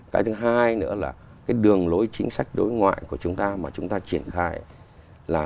cái thứ hai nữa là cái đường lối chính sách đối ngoại của chúng ta mà chúng ta triển khai là